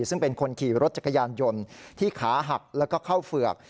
ซึ่งเป็นคนขี่รถจักรยานยนต์ที่ขาหักแล้วก็เข้าเฝือก